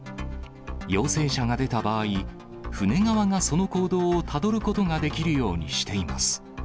陽性者が出た場合、船側がその行動をたどることができるようにしています。